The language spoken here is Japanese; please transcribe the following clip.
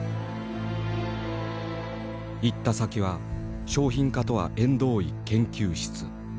行った先は商品化とは縁遠い研究室。